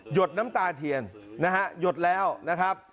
ดน้ำตาเทียนนะฮะหยดแล้วนะครับ